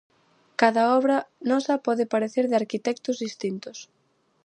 Cada obra nosa pode parecer de arquitectos distintos.